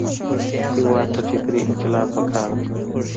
هېواد ته فکري انقلاب پکار دی